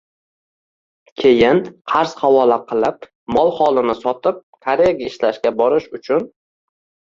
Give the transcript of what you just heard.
keyin qarz havola qilib, mol-holini sotib, Koreyaga ishlashga borish uchun